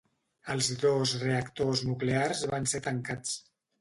Els dos reactors nuclears van ser tancats.